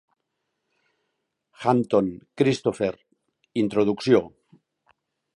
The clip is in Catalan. Hampton, Christopher: Introducció.